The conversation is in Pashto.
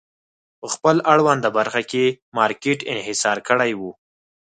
په خپل اړونده برخه کې مارکېټ انحصار کړی و.